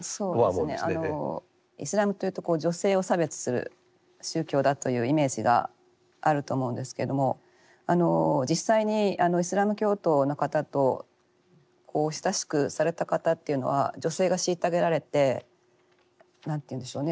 イスラムというと女性を差別する宗教だというイメージがあると思うんですけども実際にイスラム教徒の方と親しくされた方っていうのは女性が虐げられて何て言うんでしょうね